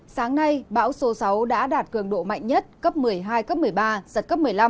sáng nay bão số sáu đã đạt cường độ mạnh nhất cấp một mươi hai cấp một mươi ba giật cấp một mươi năm